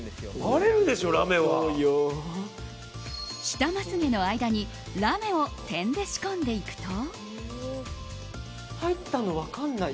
下まつ毛の間にラメを点で仕込んでいくと。